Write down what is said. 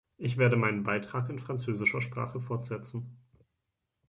Ich werde meinen Beitrag in französischer Sprache fortsetzen.